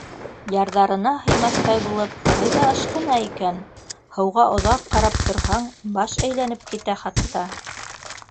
Ярҙарына һыймаҫтай булып ҡайҙа ашҡына икән? Һыуға оҙаҡ ҡарап торһаң, баш әйләнеп китә хатта.